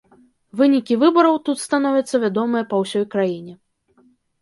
Вынікі выбараў тут становяцца вядомыя па ўсёй краіне.